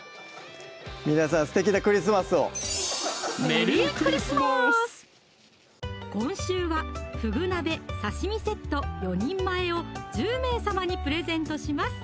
皆さんすてきなクリスマスを今週はふぐ鍋・刺身セット４人前を１０名様にプレゼントします